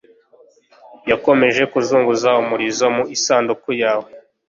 yakomeje kuzunguza umurizo mu isanduku yawe